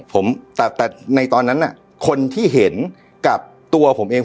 ผมแต่แต่ในตอนนั้นน่ะคนที่เห็นกับตัวผมเอง